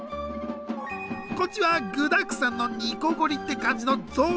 こっちは具だくさんの煮こごりって感じのゾートゥ。